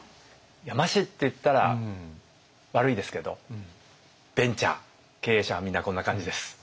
山師って言ったら悪いですけどベンチャー経営者はみんなこんな感じです。